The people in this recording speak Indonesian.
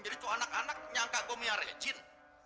jadi tuh anak anak nyangka gue punya rejin